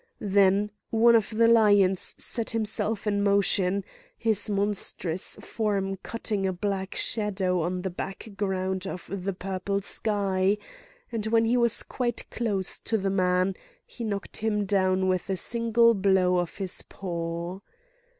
Then one of the lions set himself in motion, his monstrous form cutting a black shadow on the background of the purple sky, and when he was quite close to the man, he knocked him down with a single blow of his paw.